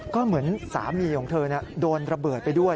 ก็เหมือนสามีของเธอโดนระเบิดไปด้วย